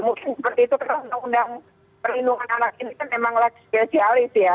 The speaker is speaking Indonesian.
mungkin seperti itu undang undang perlindungan anak ini kan memang lagi spesialis ya